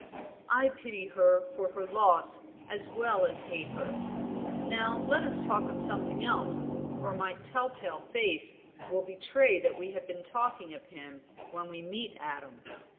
"I pity her for her loss as well as hate her. Now, let us talk of something else, or my tell tale face will betray that we have been talking of him, when we meet Adam."